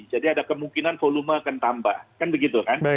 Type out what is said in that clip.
jadi ada kemungkinan volume akan tambah kan begitu kan